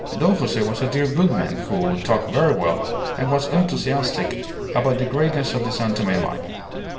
Don Jose was a dear good man, who talked very well, and was enthusiastic about the greatness of the San Tome mine.